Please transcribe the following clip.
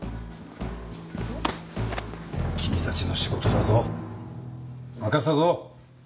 君たちの仕事だぞ任せたぞ。